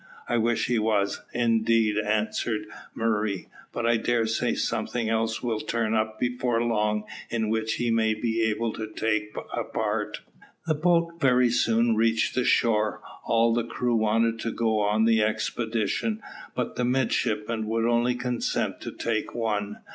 "I wish he was, indeed," answered Murray. "But I dare say something else will turn up before long in which he may be able to take a part." The boat very soon reached the shore. All the crew wanted to go on the expedition, but the midshipmen would only consent to take one.